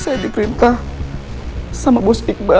saya diperintah sama gus iqbal